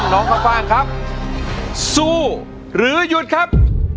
น้องข้าวฟ่างครับสู้หรือหยุดครับ